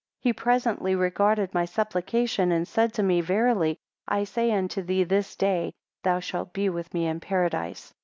10 He presently regarded my supplication, and said to me, Verily I say unto thee, this day thou shalt be with me in Paradise.